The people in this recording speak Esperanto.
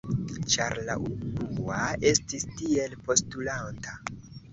Ĉar la unua estis tiel postulanta.